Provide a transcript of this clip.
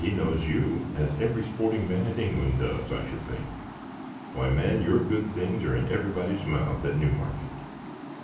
he knows you; as every sporting man in England does, I should think. Why, man, your good things are in everybody's mouth at Newmarket."